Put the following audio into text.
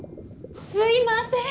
すいません！